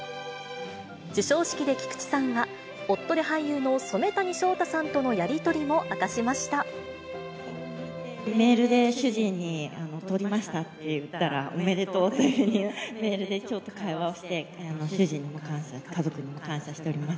授賞式で菊地さんは、夫で俳優の染谷将太さんとのやり取りも明かメールで主人に、とりましたって言ったら、おめでとうっていうふうにメールでちょっと会話をして、主人にも感謝、家族にも感謝しております。